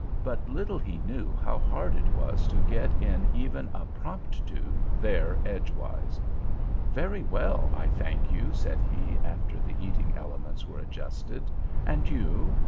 But little he knew how hard it was to get in even a promptu there edgewise. "Very well, I thank you," said he, after the eating elements were adjusted; "and you?"